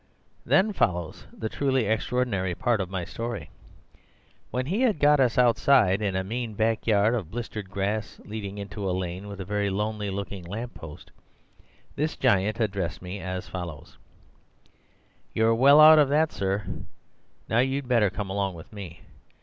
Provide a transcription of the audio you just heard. "Then follows the truly extraordinary part of my story. When he had got us outside, in a mean backyard of blistered grass leading into a lane with a very lonely looking lamp post, this giant addressed me as follows: 'You're well out of that, sir; now you'd better come along with me.